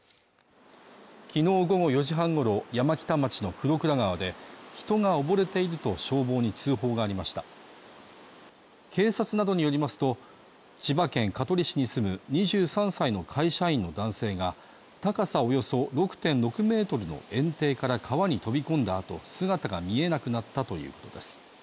昨日午後４時半ごろ山北町の玄倉川で人が溺れていると消防に通報がありました警察などによりますと千葉県香取市に住む２３歳の会社員の男性が高さおよそ６．６メートルの堰堤から川に飛び込んだあと姿が見えなくなったということです